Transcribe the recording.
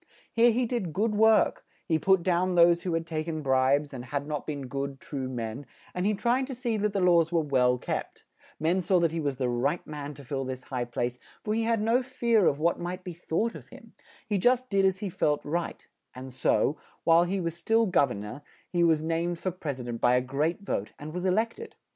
Here he did good work; he put down those who had tak en bribes, and had not been good, true men, and he tried to see that the laws were well kept; men saw that he was the right man to fill this high place, for he had no fear of what might be thought of him; he just did as he felt right; and so, while he was still gov ern or, he was named for pres i dent by a great vote, and was e lect ed.